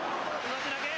上手投げ。